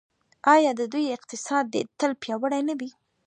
آیا د دوی اقتصاد دې تل پیاوړی نه وي؟